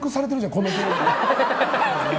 このゲーム。